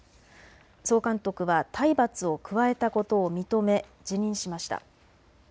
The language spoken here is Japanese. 総監督は体罰を加えたことを認め辞任しました。